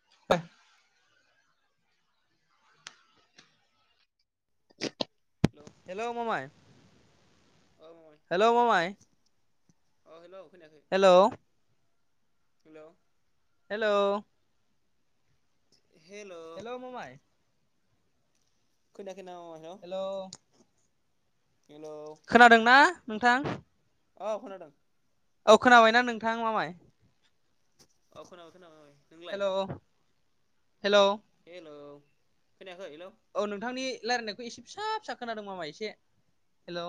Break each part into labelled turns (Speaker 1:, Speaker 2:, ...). Speaker 1: [unintelligible]
Speaker 2: Hello
Speaker 1: hello मामाय
Speaker 2: अ मामाय
Speaker 1: हेल' मामाय
Speaker 2: अ हेलौ
Speaker 1: हेल'
Speaker 2: हेल'
Speaker 1: हेल'
Speaker 2: हेलौ
Speaker 1: हेल' मामाय
Speaker 2: खोनायाखै नामा मामाय हेल'
Speaker 1: हेलौ खोनादोंना नोंथां?
Speaker 2: औ खोनादों।
Speaker 1: औ खोनाबायना नोंथां मामाय?
Speaker 2: औ खोनाबाय खोनाबाय उम
Speaker 1: हेल' हेल'
Speaker 2: हेल' खोनाया
Speaker 1: औ नोंथांनि रायलायनायखौ एसे फिसा फिसा खोनादों मामाय एसे हेलौ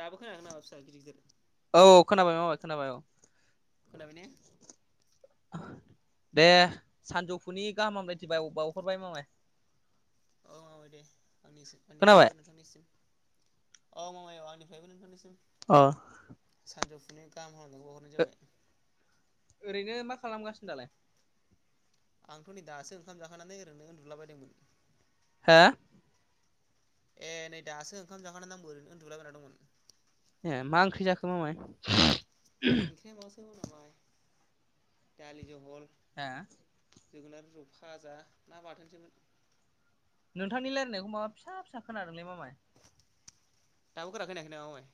Speaker 2: दाबो खोनायाखै नामा फिसा गिदिर गिदिर
Speaker 1: औ खोनाबाय मामा खोनाबाय औ
Speaker 2: खोनाबायना?
Speaker 1: दे सानजौफुनि गाहाम हामलायदि बाव-बावहरबाय मामाय।
Speaker 2: औ दे आंनि
Speaker 1: खोनाबाय
Speaker 2: आंनिफ्रायबो नोंथांनिसिम औ मामाय औ आंनिफ्रायबो नोंथांनिसिम।
Speaker 1: औ
Speaker 2: सानजुफुनि गाहाम हामलायनाय
Speaker 1: ओरैनो मा खालामगासिनो दालाय?
Speaker 2: आंथ' नै दासो ओंखाम जाखानानै ओरैनो उन्दुलाबायायदोंमोन।
Speaker 1: हा?
Speaker 2: ए नै दासो ओंखाम जाखांना आंबो ओरैनो उन्दुलाबायना दंमोन।
Speaker 1: मा ओंख्रि जाखो मामाय?
Speaker 2: ओंख्रिया माबासो मायथाय दालि जहल।
Speaker 1: हा?
Speaker 2: जोगोनार बिजौ भाजा हा माथो जानो।
Speaker 1: नोंथांनि रायलायनायखौ माबा फिसा फिसा खोनादोंलै मामाय।
Speaker 2: दाबो गोरा खोनायाखै नामा मायथाय?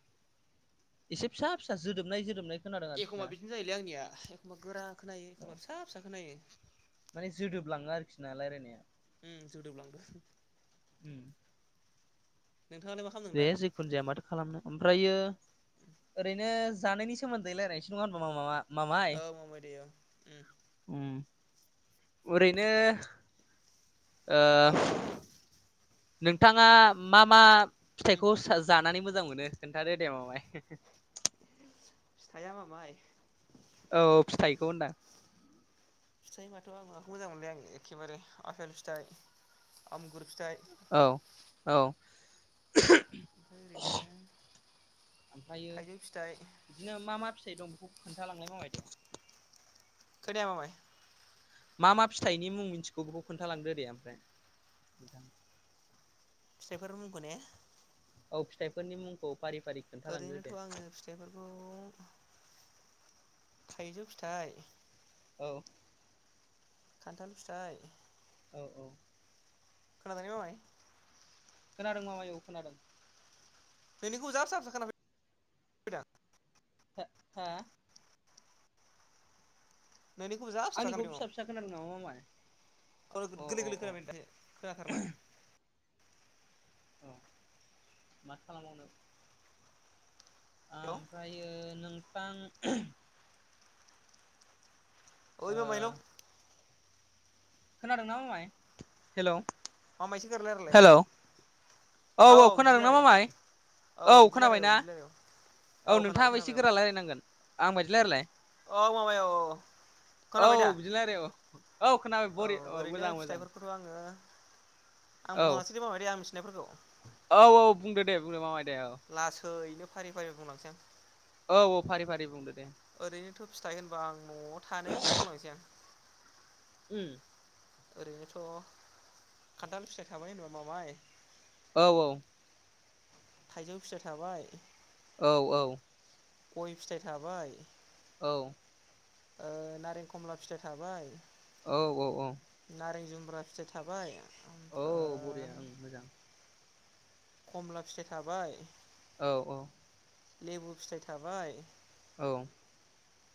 Speaker 1: एसे फिसा फिसा जोदोबनाय जोदोबनाय खोनादों आरोखि ना
Speaker 2: एखमबा बिदिनो जायोलै आंनिया एखमबा गोरा खोनायो
Speaker 1: औ
Speaker 2: एखमबा फिसा फिसा खोनायो।
Speaker 1: माने जोदोब लाङो आरोखि ना रायलायनाया।
Speaker 2: ए जोदोबलांदों।
Speaker 1: उम
Speaker 2: नोंथाङालाय मा खालामदों
Speaker 1: दे
Speaker 2: दा?
Speaker 1: जिखुनु जाया माथो खालामनो ओमफ्रायो ओरैनो जानायनि सोमोन्दै रायजलायनोसै नङा होनबा मामा मामाय
Speaker 2: औ मामाय दे औ उम
Speaker 1: उम ओरैनो ओ
Speaker 2: औ बुंदो।
Speaker 1: नोंथाङा मा मा
Speaker 2: उम
Speaker 1: फिथाइखौ जानानै मोजां मोनो खोन्थादो दे मामाय। [inaudible]
Speaker 2: फिथाइया मामाय
Speaker 1: औ फिथाइखौ होनदां
Speaker 2: फिथाइबाथ' बिराद मोजां मोनलै आं एखेबारे आफेल फिथाइ आंगुर फिथाइ
Speaker 1: औ औ।
Speaker 2: ओमफ्राय ओरैनो
Speaker 1: ओमफ्रायो
Speaker 2: थाइजौ फिथाइ
Speaker 1: खोन्थालांनाय माबाय दे।
Speaker 2: खोनाया मामाय
Speaker 1: मा मा फिथाइनि मुं मिन्थिगौ बेखौ खोन्थालांदो दे ओमफ्राय
Speaker 2: फिथाइफोनि मुंखौ ना।
Speaker 1: औ फिथाइफोरनि मुंखौ फारि फारि खोन्थालांदो
Speaker 2: ओरैनोथ'
Speaker 1: दे
Speaker 2: आङो फिथाइफोरखौ थाइजौ फिथाइ
Speaker 1: औ
Speaker 2: खान्थाल फिथाइ
Speaker 1: औ औ
Speaker 2: खोनादों ने मामाय
Speaker 1: खोनादों मामाय औ खोनादों
Speaker 2: नोंनिखौ जा फिसा फिसा खोनाफै दां
Speaker 1: हा
Speaker 2: नोंनिखौबो जा फिसा फिसा
Speaker 1: आंनिखौ
Speaker 2: खोनादों अ
Speaker 1: फिसा खोनादों नामा मामाय अ
Speaker 2: गोरलै
Speaker 1: अ
Speaker 2: गोरलै
Speaker 1: अ
Speaker 2: खोनाब दासो खोनाथारला
Speaker 1: अ माथो खालामबावनो
Speaker 2: हेलौ
Speaker 1: आमफ्रायो नोंथां
Speaker 2: ओइ मामाय हेलौ
Speaker 1: खोनादों ना मामाय हेलौ
Speaker 2: मामाय एसे गोरा रायलायलाय
Speaker 1: हेलौ औ औ
Speaker 2: बिदि
Speaker 1: खोनादों ना
Speaker 2: रायलाय औ
Speaker 1: मामाय औ
Speaker 2: बिदि
Speaker 1: खोनाबाय
Speaker 2: रायलाय औ
Speaker 1: ना
Speaker 2: बिदि रायलाय औ
Speaker 1: औ
Speaker 2: खोनाबाय
Speaker 1: नोंथाङाबो एसे
Speaker 2: खोनाबाय औ
Speaker 1: गोरा रायलायनांगोन आं बादि रायलायलाय
Speaker 2: औ माबाय औ
Speaker 1: [inaudible] औ
Speaker 2: खोनाबाय दा
Speaker 1: बिदि रायलाय अ औ खोना
Speaker 2: औ ओरैनो फिथाइफोरखौथ आंङो आं
Speaker 1: औ
Speaker 2: बुंलांनोसै दै मामाय आं मिथिनायफोरखौ
Speaker 1: औ औ बुंदो दे बुंदो मामाय दे औ
Speaker 2: लासैनो फारि फारि बुंलांसै आं
Speaker 1: औ औ फारि फारि बुंदो दे
Speaker 2: ओरैनोथ फिथाइ होनबा आं नआव थानायनिफ्राय बुंलांनोसै आं
Speaker 1: उम
Speaker 2: ओरैनोथ खान्थाल फिथाइ थाबाय होनबा मामाय
Speaker 1: औ औ
Speaker 2: थाइजौ फिथाय थाबाय
Speaker 1: औ औ
Speaker 2: गय फिथाइ थाबाय
Speaker 1: औ
Speaker 2: ओ नारें खमला फिथाइ थाबाय
Speaker 1: औ औ औ
Speaker 2: खुमब्रा फिथाइ थाबाय
Speaker 1: औ
Speaker 2: ओमफ्राय
Speaker 1: बरिया ओं मोजां
Speaker 2: खमला फिथाइ थाबाय
Speaker 1: औ औ
Speaker 2: लेबु फिथाइ थाबाय
Speaker 1: औ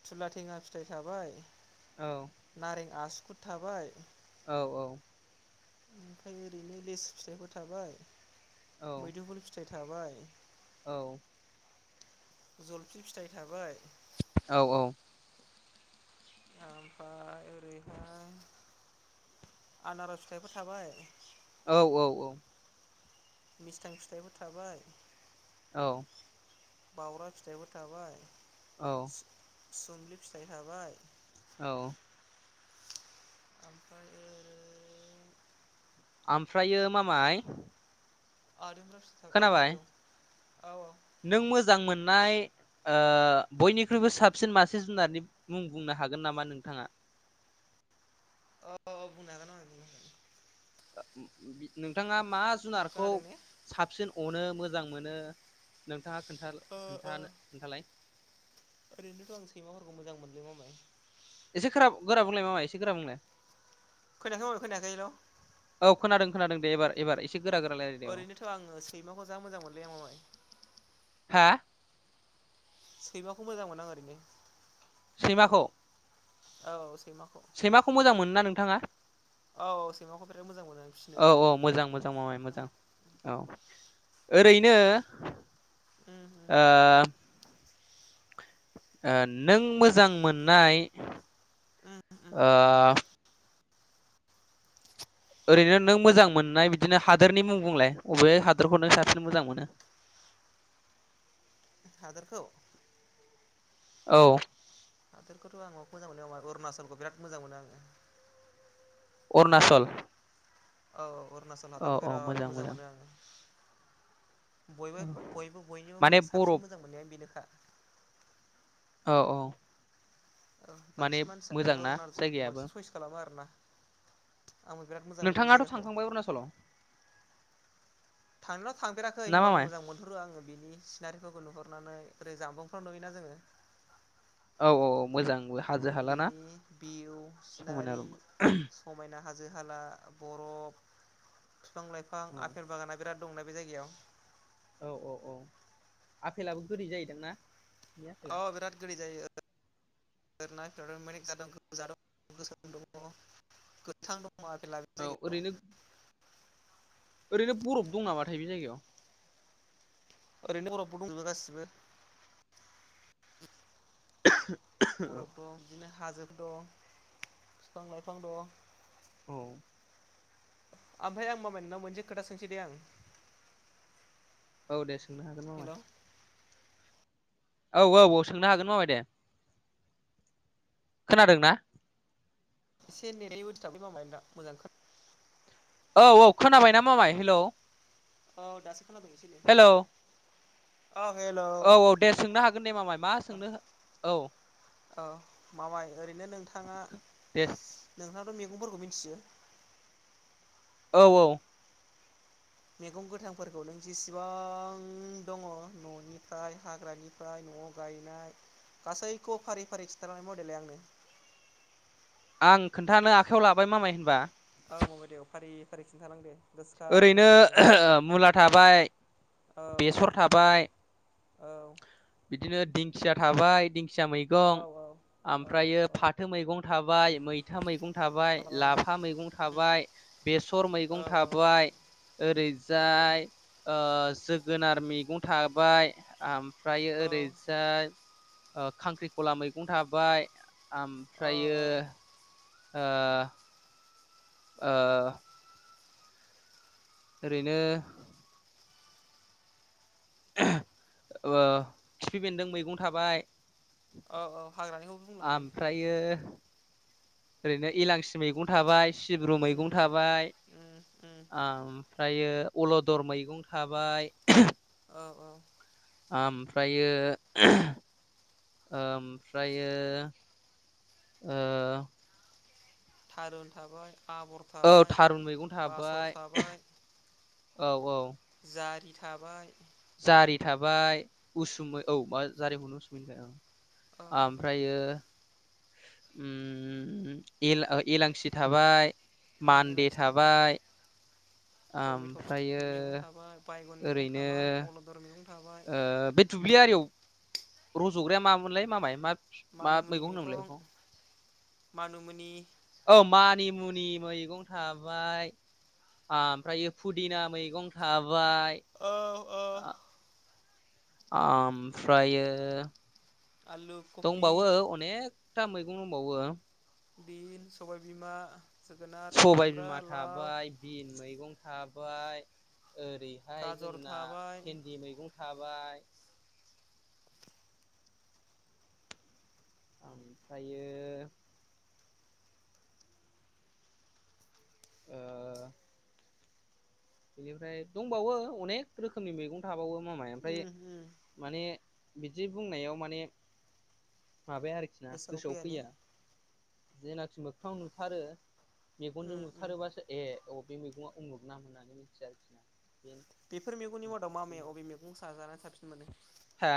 Speaker 2: थुला थेङा फिथाइ थाबाय
Speaker 1: औ
Speaker 2: नारें आसुगुद थाबाय
Speaker 1: औ औ
Speaker 2: ओमफ्राय ओरैनो लेसु फिथाइफोर थाबाय
Speaker 1: औ
Speaker 2: मैदुफुल फिथाइ थाबाय
Speaker 1: औ
Speaker 2: जलफि फिथाइ थाबाय
Speaker 1: औ औ
Speaker 2: ओमफ्राय ओरैहाय आनारस फिथाइफोर थाबाय
Speaker 1: औ औ औ
Speaker 2: मिस्थां फिथाइफोर थाबाय
Speaker 1: औ
Speaker 2: बावरा फिथाइबो थाबाय सुम्लि फिथाइ थाबाय
Speaker 1: औ
Speaker 2: ओमफ्राय ओ
Speaker 1: ओमफ्रायो मामाय
Speaker 2: आरो [unintelligible]
Speaker 1: खोनाबाय
Speaker 2: औ-औ
Speaker 1: नों मोजां मोननाय ओ बयनिख्रुइबो साबसिन मासे जुनारनि मुं बुंनो हागोन नामा नोंथाङा?
Speaker 2: ओ बुंनो हागोन मामाय बुंनो हागोन।
Speaker 1: [unintelligible] नोंथाङा मा जुनारखौ
Speaker 2: खोनादों ने
Speaker 1: साबसिन अनो मोजां मोनो नोंथाङा
Speaker 2: ओ ओ
Speaker 1: खोन्था-खोनथानो-खोनथालाय।
Speaker 2: ओरैनोथ' आं सैमाफोरखौ मोजां मोनो मामाय।
Speaker 1: एसे खोरा गोरा बुंलाय मामा एसे गोरा बुंलाय
Speaker 2: खोनायाखै मामाप खोनायाखै हेलौ।
Speaker 1: औ खोनादों खोनादों दे एबार-एबार ए
Speaker 2: ओरैनोथ' आङो सैमाखौ जा मोजां मोनोलै मामाय
Speaker 1: हा
Speaker 2: सैमाखौ मोजां मोना आं ओरैनो
Speaker 1: सैमाखौ
Speaker 2: औ सैमा
Speaker 1: सैमाखौ मोजां मोनो ना नोंथाङा?
Speaker 2: औ-औ सैमाखौ बिराद मोजां मोनो आं फिसिनो
Speaker 1: औ-औ मोजां-मोजां मामाय मोजां औ ओरैनो
Speaker 2: उम
Speaker 1: ओ ओ नों मोजां मोननाय
Speaker 2: उम उम उम
Speaker 1: ओ ओरैनो नों मोजां मोननाय बिदिनो हादोरनि मुं बुंलाय अबे हादोरखौ नों साबसिन मोजां मोनो। [inaudible]
Speaker 2: हादोरखौ
Speaker 1: औ
Speaker 2: हादोरखौथ' आं माखौ मोजां मोनो होनबा अरुणाचलखौ बिराद मोजां मोनो आङो।
Speaker 1: अरुणाचल
Speaker 2: औ-औ अरुणाचल हादरखौ बिराद मोजां मोनो आङो।
Speaker 1: औ
Speaker 2: बयबो-बयबो
Speaker 1: माने
Speaker 2: बयनिबो
Speaker 1: बरफ
Speaker 2: साबसिन मोजां मोननायानो बेनोखा
Speaker 1: औ-औ
Speaker 2: औ बांसिन मानसियानो अरुनालखौ
Speaker 1: जायगायाबो
Speaker 2: बांसिन सइस खालामो आरो ना।
Speaker 1: नोंथाङाथ'
Speaker 2: जायगाखौ
Speaker 1: थांखांबाय अरुनाचलाव?
Speaker 2: थांनायआ थांदेराखै होनबाबो मोजां मोनहरो आङो बिनि सिनारिफोरखौ नुहरनानै ओरै जामबुंफोराव नुयोना जोङो।
Speaker 1: औ-औ मोजांब्ला
Speaker 2: बेनि भिउ
Speaker 1: समायना
Speaker 2: सिनारि
Speaker 1: रमायना
Speaker 2: समायना हाजो हाला बरफ बिफां लाइफां आफेल बागाना बिराद दंना बे जायगायाव।
Speaker 1: औ-औ-औ आफेलाबो गोदै जायो दां ना?
Speaker 2: औ बिरट गोदै जायो। [unintelligible] दङ आपेला बे
Speaker 1: औ
Speaker 2: जायगायाव।
Speaker 1: ओरैनो ओरै बरफ दं नामाथाय बे जायगायाव
Speaker 2: ओरैनो बरफबो दंजुबो गासिबो
Speaker 1: [inaudible]
Speaker 2: बरफ
Speaker 1: औ
Speaker 2: दं, बिदिनो हाजोफोर दं बिफां लाइफां दं
Speaker 1: औ।
Speaker 2: ओमफ्राय आं मामाय नोंनाव मोनसे खोथा सोंसै दे आं।
Speaker 1: औ दे सोंनो हागोन
Speaker 2: हेल'
Speaker 1: मामाय। औ औ औ सोंनो हागोन मामाय दे। खोनादों ना।
Speaker 2: एसे नेटनि उसुबिदालै मामाय नोंना मोजां खोनाया
Speaker 1: औ औ खोनाबाय ना मामाय हेलौ।
Speaker 2: औ दासो खोनादोंं इसे एनै।
Speaker 1: हेलौ औ औ दे सोंनो हागोन दे मामाय मा सोंनो औ।
Speaker 2: ओ मामाय ओरैनो नोंथाङा
Speaker 1: दे
Speaker 2: नोंहा। मैगंफोरखौ मिथियो।
Speaker 1: औ औ।
Speaker 2: मैगं गोथांफोरखौ नों जेसेबां दङ न'निफ्राय हाग्रानिफ्राय। न' गायनाय गासैखौ फारि फारि खिन्थनाय मडेलै आंनो।
Speaker 1: आं खोन्थानो आखाइयाव लाबाय मामाय होनबा।
Speaker 2: औ ममाय औ दे फारि फारि खिन्थालांदे।
Speaker 1: ओरैनो मुला थाबाय
Speaker 2: औ
Speaker 1: बेसर थाबाय।
Speaker 2: औ
Speaker 1: बिदिनो दिंखिया थाबाय दिंखिया
Speaker 2: औ
Speaker 1: मैगं।
Speaker 2: औ औ
Speaker 1: ओमफ्रायो
Speaker 2: औ
Speaker 1: फाथो मैगं थाबाय मैथा मैगं थाबाय
Speaker 2: औ
Speaker 1: लाफा मैगं थाबाय। बेसर मैगं थाबाय ओरैजाय ओ। जोगोनार मैगं थाबाय ओमफ्र ओरैजाय। ओ खांख्रिखला मैगं थाबाय
Speaker 2: औ
Speaker 1: ओमफ्रायो। ओ। ओ। ओरैनो। ओ खिफि बेन्दों मैगं थाबाय।
Speaker 2: औ हाग्रानिखौ बुंलां दे
Speaker 1: आमफ्रायो। ओरैनो इलांसि मैगं थाबाय। सिब्रु
Speaker 2: उम
Speaker 1: मैगं थाबाय
Speaker 2: उम उम
Speaker 1: आमफ्रायो। अलदर मैगं थाबाय।
Speaker 2: औ औ।
Speaker 1: ओमफ्रायो ओमफ्रायो। ओ।
Speaker 2: थारुन थाबाय आबर
Speaker 1: औ
Speaker 2: थाबाय
Speaker 1: थारुन मैगं
Speaker 2: बासर
Speaker 1: थाबाय
Speaker 2: थाबाय।
Speaker 1: औ औ।
Speaker 2: जारि थाबाय।
Speaker 1: जारि थाबाय उसुमै औ मा जारिखौनो उसुमै होनबाय औ। ओमफ्रायो। उम एला ओ एलांसि थाबाय।
Speaker 2: उम
Speaker 1: मान्दे
Speaker 2: इलाइसि
Speaker 1: थाबाय।
Speaker 2: टमेट'
Speaker 1: आमफ्रायो
Speaker 2: फिथाइ मैगं थाबाय बायगन मैगं
Speaker 1: ओरैनो
Speaker 2: थाबाय अलदर मैगं थाबाय
Speaker 1: ओ बे दु दुब्लि आरियाव रज'ग्राया मामोनलाय मामाय मा मा मैगं होनदोंमोनलाय बेखौ।
Speaker 2: मानु मुनि।
Speaker 1: औ मानि मुनि मैगं थाबाय। ओमफ्राय फुदिना मैगं थाब बाय
Speaker 2: औ औ
Speaker 1: आ आमफ्रायो।
Speaker 2: आलु कफि
Speaker 1: दंबावो अनेकथा मैगं दंबावो।
Speaker 2: बिन सबाय बिमा।
Speaker 1: सबाय बिमा थाबाय बिन मैगं थाबाय। ओरैहाय ओ
Speaker 2: गाजर
Speaker 1: जोंना
Speaker 2: थाबाय
Speaker 1: भेन्दि मैगं थाबाय। ओमफ्रायो ओ बेनिफ्राय दंबावो अनेक रोखोमनि मैगं थाबावो मामाइ ओमफ्राय
Speaker 2: उम उम
Speaker 1: माने बिदि बुंनायाव माने माबाया आरोखि ना गोसोआव फैया जेनाखि मोगथाङाव नुथारो मेगनजों
Speaker 2: उम उम
Speaker 1: नुथारोबासो ए औ बे मैगङा उमुग नाम होननानै मिथियो आरोखि ना।
Speaker 2: बेफोर मैगंनि मादाव मा मै
Speaker 1: बे
Speaker 2: अबे मैगं साजानानै साबसिन मोनो?
Speaker 1: हा?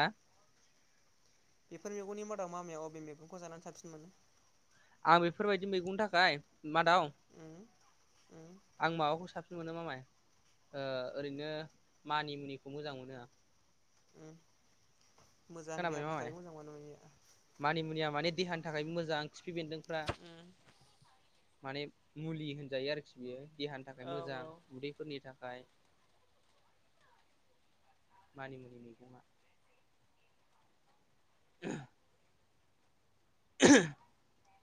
Speaker 2: बेफोर मैगंनि मादाव मामाया अबे मैगंखौ जानानै साबसिन मोनो?
Speaker 1: आं बेफोरबायदि मैगंनि थाखाय मादाव
Speaker 2: उम उम
Speaker 1: आं माबाखौ साबसिन मोनो मामाय ओ ओरैनो मानि मुनिखौ मोजां मोनो आं।
Speaker 2: ओं मोजां
Speaker 1: खोनाबाय
Speaker 2: देहानि
Speaker 1: मामाय
Speaker 2: थाखाय मोजां माना मुनिया
Speaker 1: मानि मुनिया माने देहानि थाखायबो मोजां खिफि बेन्दोंफ्रा
Speaker 2: उम
Speaker 1: माने मुलि होनजायो आरोखि बियो देहानि थाखाय
Speaker 2: औ
Speaker 1: मोजां
Speaker 2: औ
Speaker 1: उदैफोरनि थाख ओमफ्राय मानिमुनि मैगङा। [unintelligible] [unintelligible]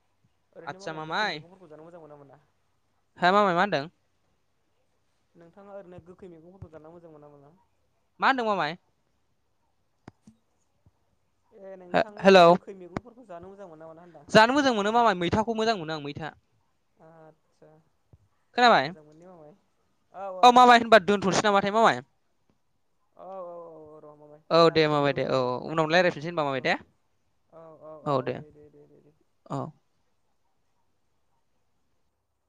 Speaker 2: ओरैनो
Speaker 1: आदसा
Speaker 2: मामाया गोखै मैगंफोरखौ जानो मोजां मोनोना मोना?
Speaker 1: हो मामाय मा होनदों?
Speaker 2: नोंथाङा ओरैनो गोखै मैगंफोरखौ जानो मोजां मोनोना मोना?
Speaker 1: मा होनदों मामाय?
Speaker 2: ए नोंथाङा
Speaker 1: हेलौ
Speaker 2: गोखै मैगंफोरखौ जानो मो
Speaker 1: जानो मोजां मोनो मामाय मैथाखौ मोजां मोनो आं मैथा
Speaker 2: खरसा मोजां मोनो ने मामाय। औ औ
Speaker 1: अ मामाय होनबा दोनथ'नोसै नामाथाय मामाय।
Speaker 2: औ औ औ औ र' मामाय
Speaker 1: औ दे
Speaker 2: जागोरथों
Speaker 1: मामाय
Speaker 2: ग्रोब
Speaker 1: दे औ
Speaker 2: ग्रोब जाथों
Speaker 1: औ उनाव रायलायफिनसै होनबा
Speaker 2: र'
Speaker 1: मामाय दे। औ दे औ।